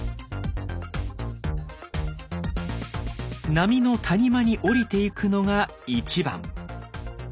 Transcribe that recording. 波の谷間に下りていくのが１番。